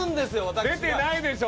私が出てないでしょ